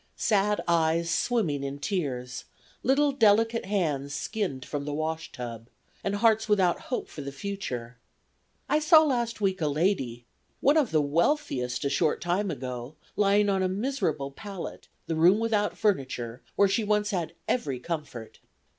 Sad eyes swimming in tears; little delicate hands skinned from the wash tub, and hearts without hope for the future. I saw last week a lady, one of the wealthiest a short time ago, lying on a miserable pallet, the room without furniture, where she once had every comfort.